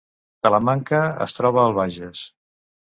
Talamanca es troba al Bages